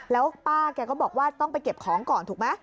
แล้วป้าแกก็บอกว่าต้องไปเก็บของก่อนถูกไหม